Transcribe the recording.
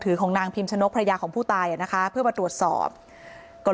ของนางพิมชนกภรรยาของผู้ตายอ่ะนะคะเพื่อมาตรวจสอบก็